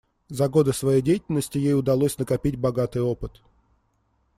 За годы своей деятельности ей удалось накопить богатый опыт.